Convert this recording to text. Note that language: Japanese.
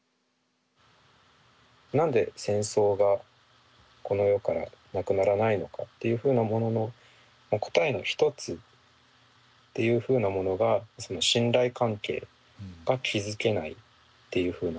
何で戦争がこの世からなくならないのかっていうふうなものの答えの一つっていうふうなものが信頼関係が築けないっていうふうな。